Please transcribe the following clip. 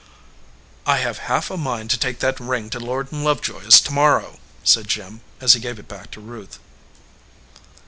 "I have half a mind to take that ring to Lord & Love joy s to morrow," said Jim, as he gave it back to Ruth.